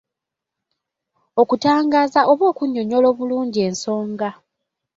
Okutangaaza oba okunnyonnyola obulungi ensonga.